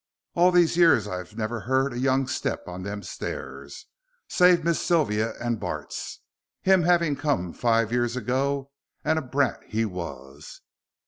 All these years I've never heard a young step on them stairs, save Miss Sylvia's and Bart's, him having come five years ago, and a brat he was.